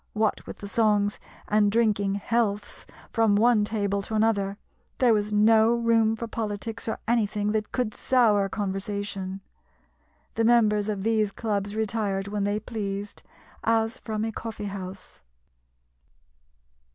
What with the songs and drinking healths from one table to another, there was no room for politics or anything that could sour conversation. The members of these clubs retired when they pleased, as from a coffee house.